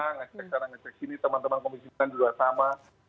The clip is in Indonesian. ngecek ngecek sini teman teman komisi juga sama